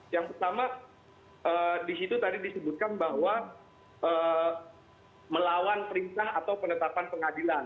yang pertama di situ tadi disebutkan bahwa melawan perintah atau penetapan pengadilan